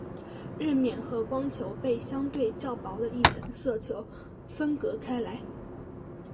日冕和光球被相对较薄的一层色球分隔开来。